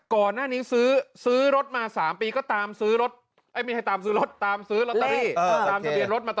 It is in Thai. ก่อนหน้านี้ซื้อรถมา๓ปีก็ตามซื้อรถ